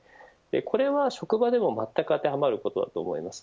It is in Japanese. これは職場でもまったく当てはまることだと思います。